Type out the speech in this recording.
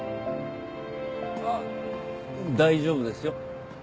あっ大丈夫ですよ。